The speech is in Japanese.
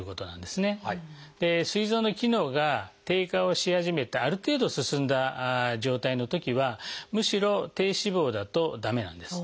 すい臓の機能が低下をし始めたある程度進んだ状態のときはむしろ低脂肪だと駄目なんです。